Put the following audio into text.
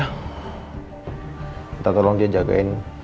kita tolong dia jagain